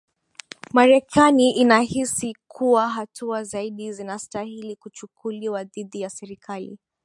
marekani inahisi kuwa hatua zaidi zinastahili kuchukuliwa dhidi ya serikali